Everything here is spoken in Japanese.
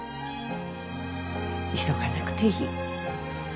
急がなくていい。